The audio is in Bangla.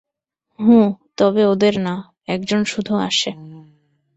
হুঁ, তবে ওদের না, এক জন শুধু আসে।